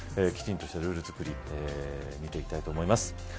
きちんとしたルール作り見ていきたいと思います。